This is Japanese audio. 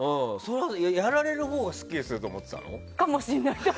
やられるほうがすっきりすると思っていたの？